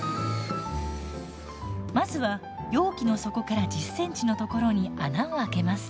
まずは容器の底から１０センチのところに穴を開けます。